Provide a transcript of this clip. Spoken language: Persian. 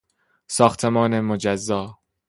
ساختمان مجزا